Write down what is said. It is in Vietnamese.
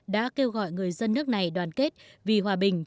đã kêu gọi người dân nước này đoàn kết vì hòa bình